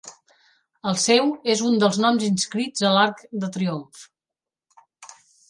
El seu és un dels noms inscrits a l'Arc de Triomf.